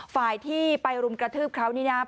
ฝ่ายที่ไปรุ่มกระทืบคราวนี้นะ